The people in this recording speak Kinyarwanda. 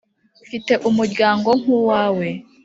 mfite umuryango nk'uwawe."